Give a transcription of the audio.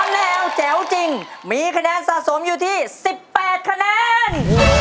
แนวแจ๋วจริงมีคะแนนสะสมอยู่ที่๑๘คะแนน